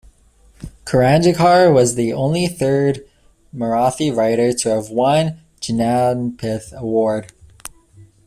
Karandikar was the only third Marathi writer to have won Jnanpith Award.